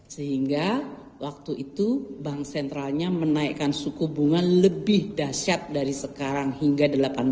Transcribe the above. sehingga waktu itu bank sentralnya menaikkan suku bunga lebih dahsyat dari sekarang hingga delapan belas